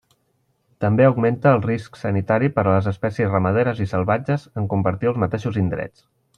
També augmenta el risc sanitari per a les espècies ramaderes i salvatges en compartir els mateixos indrets.